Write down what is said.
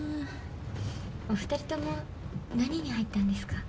おふたりとも何に入ったんですか？